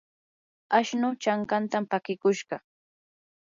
ashnuu chankantam pakikushqa.